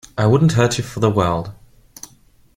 I wouldn't hurt you for the world.